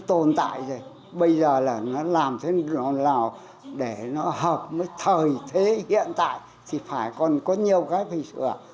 tồn tại rồi bây giờ là nó làm thế nào để nó hợp với thời thế hiện tại thì phải còn có nhiều cái sửa